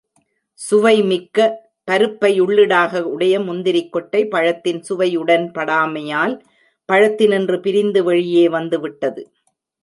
சுவைமிக்க பருப்பை உள்ளிடாக உடைய முந்திரிக் கொட்டை, பழத்தின் சுவை உடன்படாமையால் பழத்தினின்று பிரிந்து வெளியே வந்துவிட்டது.